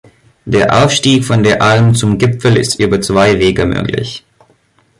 Der Aufstieg von der Alm zum Gipfel ist über zwei Wege möglich.